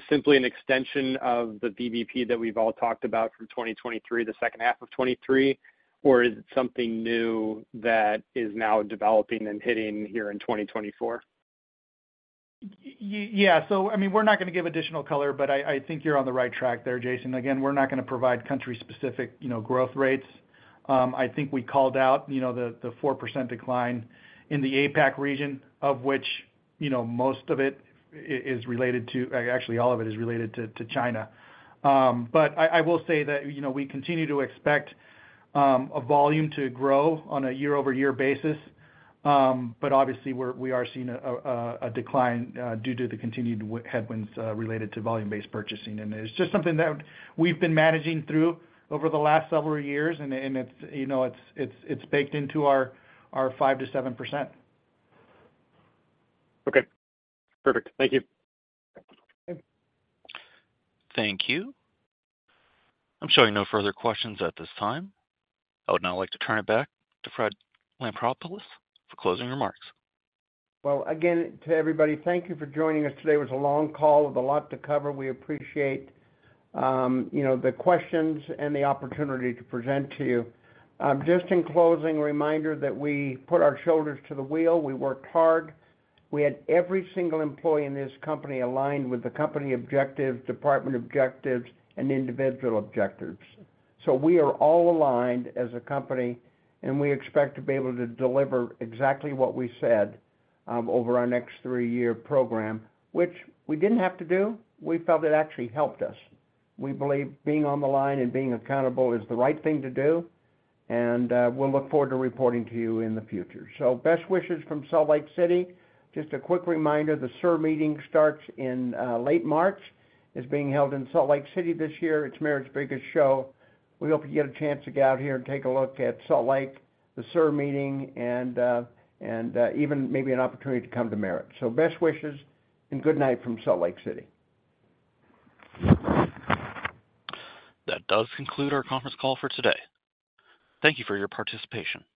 simply an extension of the VBP that we've all talked about from 2023, the second half of 2023, or is it something new that is now developing and hitting here in 2024? Yeah. So, I mean, we're not going to give additional color, but I think you're on the right track there, Jason. Again, we're not going to provide country-specific growth rates. I think we called out the 4% decline in the APAC region, of which most of it is related to actually, all of it is related to China. But I will say that we continue to expect a volume to grow on a year-over-year basis. But obviously, we are seeing a decline due to the continued headwinds related to volume-based purchasing. And it's just something that we've been managing through over the last several years, and it's baked into our 5%-7%. Okay. Perfect. Thank you. Thank you. I'm showing no further questions at this time. I would now like to turn it back to Fred Lampropoulos for closing remarks. Well, again, to everybody, thank you for joining us today. It was a long call with a lot to cover. We appreciate the questions and the opportunity to present to you. Just in closing, a reminder that we put our shoulders to the wheel. We worked hard. We had every single employee in this company aligned with the company objectives, department objectives, and individual objectives. So we are all aligned as a company, and we expect to be able to deliver exactly what we said over our next three-year program, which we didn't have to do. We felt it actually helped us. We believe being on the line and being accountable is the right thing to do. We'll look forward to reporting to you in the future. So best wishes from Salt Lake City. Just a quick reminder, the SIR meeting starts in late March. It's being held in Salt Lake City this year. It's Merit's biggest show. We hope you get a chance to get out here and take a look at Salt Lake, the SIR meeting, and even maybe an opportunity to come to Merit. So best wishes, and good night from Salt Lake City. That does conclude our conference call for today. Thank you for your participation.